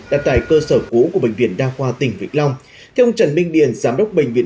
đặt tại cơ sở cũ của bệnh viện đa khoa tỉnh vĩnh long theo ông trần minh điền giám đốc bệnh viện